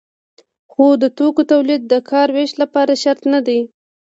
خو د توکو تولید د کار ویش لپاره شرط نه دی.